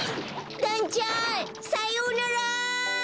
だんちゃんさようなら！